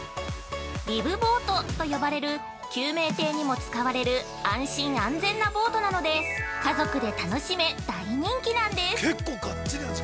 リブボートと呼ばれる救命艇にも使われる安心・安全なボートなので家族で楽しめ、大人気なんです。